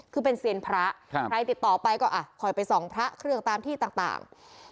คือเป็นเซียนพระใครติดต่อไปก็อ่ะคอยไปส่องพระเครื่องตามที่ต่าง